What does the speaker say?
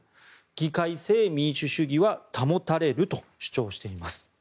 議会制民主主義は保たれると主張しています。